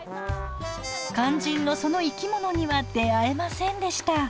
肝心のその生き物には出会えませんでした。